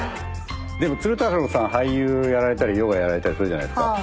でも鶴太郎さん俳優やられたりヨガやられたりするじゃないですか。